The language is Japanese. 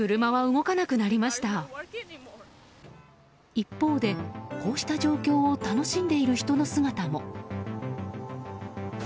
一方で、こうした状況を楽しんでいる人の姿も。